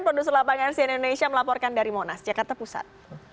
produk selepangan siena indonesia melaporkan dari monas jakarta pusat